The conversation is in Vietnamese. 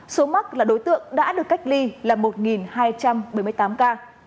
số mắc là đối tượng đã được cách ly là một hai trăm bảy mươi tám ca